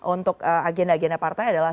untuk agenda agenda partai adalah